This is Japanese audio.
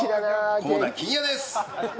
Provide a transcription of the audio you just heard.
菰田欣也です！